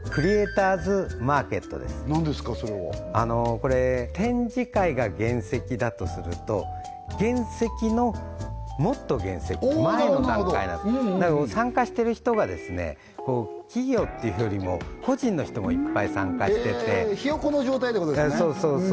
はいそれは何ですかそれは？展示会が原石だとすると原石のもっと原石前の段階なんです参加してる人が企業っていうよりも個人の人もいっぱい参加しててひよこの状態ってことですね